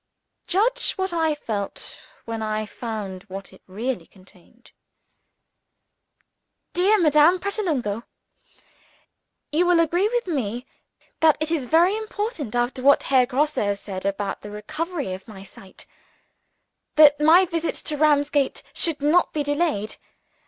Judge what I felt when I found what it really contained. "DEAR MADAME PRATOLUNGO, You will agree with me, that it is very important, after what Herr Grosse has said about the recovery of my sight, that my visit to Ramsgate should not be delayed.